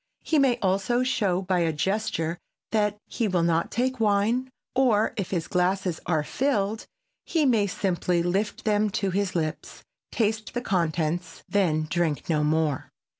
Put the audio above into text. He may also show by a gesture that he will not take wine, or, if his glasses are filled, he may simply lift them to his lips, taste the contents, then drink no more.